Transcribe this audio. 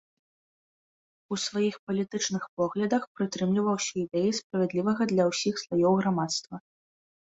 У сваіх палітычных поглядах прытрымліваўся ідэі справядлівага для ўсіх слаёў грамадства.